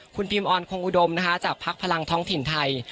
คุณพิมออนคงอุดมนะคะจากพักพลังท้องถิ่นไทย